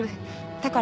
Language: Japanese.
だから。